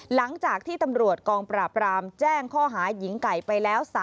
หลังจากที่ตำรวจกองปราบรามแจ้งข้อหาหญิงไก่ไปแล้ว